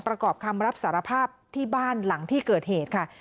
ประกอบคำรับสารภาพที่บ้านหลังที่เกิดเหตุค่ะ